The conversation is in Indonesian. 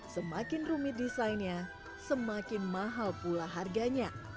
semakin rumit desainnya semakin mahal pula harganya